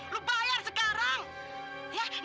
lo bayar sekarang